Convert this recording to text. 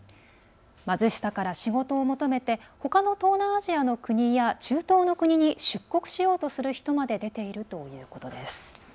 貧しさから仕事を求めてほかの東南アジアの国や中東の国に出国しようとする人まで出ているということです。